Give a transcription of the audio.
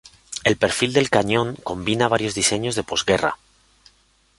El perfil del cañón combina varios diseños de posguerra.